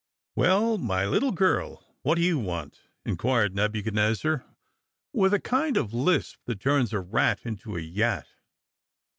"Well, my little girl, what do you want?" inquired Neb uchadnezzar, with the kind of lisp that turns a rat into a yat.